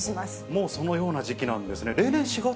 もうそのような時期なんですね。